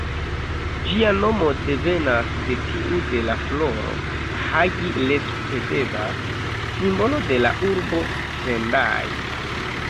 Ĝia nomo devenas de tiu de la floro ""Hagi-Lespedeza"", simbolo de la urbo Sendai.